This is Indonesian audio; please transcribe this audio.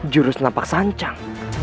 jurus nampak sancang